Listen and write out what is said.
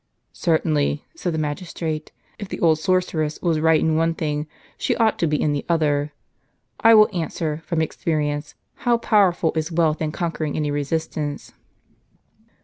"Certainly," said the magistrate, "if the old sorceress was right in one thing, she ought to be in the other. I will answer, from experience, how powerful is wealth in conquering any resistance."